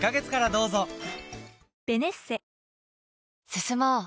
進もう。